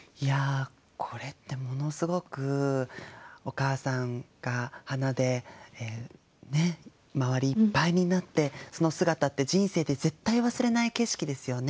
これってものすごくお母さんが花で周りいっぱいになってその姿って人生で絶対忘れない景色ですよね。